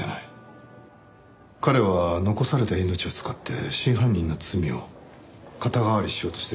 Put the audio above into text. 彼は残された命を使って真犯人の罪を肩代わりしようとしている。